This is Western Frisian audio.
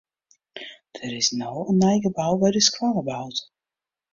Der is no in nij gebou by de skoalle boud.